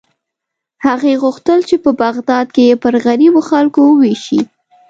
هغې غوښتل چې په بغداد کې یې پر غریبو خلکو ووېشي.